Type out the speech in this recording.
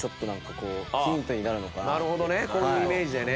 こういうイメージでね。